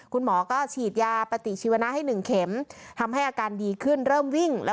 เขาคงเจ็บหน้ามันบวมอ่ะ